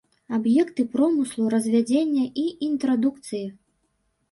Аб'екты промыслу, развядзення і інтрадукцыі.